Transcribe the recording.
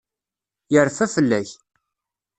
Yerfa fell-ak.